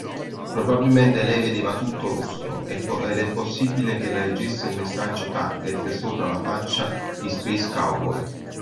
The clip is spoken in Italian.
Probabilmente lei vedeva tutto rosso, ed è possibile che leggesse il messaggio "target" sopra la faccia di Space Cowboy.